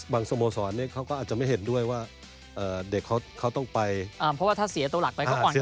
บางสโมศรเขาก็อาจจะไม่เห็นด้วยว่าเด็กเขาต้องไปเพราะว่าถ้าเสียตัวหลักไปเขาอ่อนกับรังอีก